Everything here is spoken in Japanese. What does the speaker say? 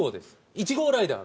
１号ライダー。